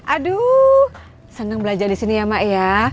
aduh senang belajar di sini ya mak ya